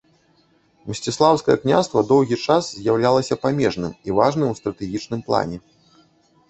Мсціслаўскае княства доўгі час з'яўляўся памежным і важным у стратэгічным плане.